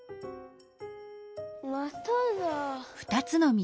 まただ。